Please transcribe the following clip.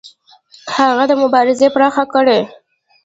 هغه دا مبارزه پراخه کړه.